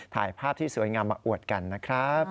ถ่ายภาพที่สวยงามมาอวดกันนะครับ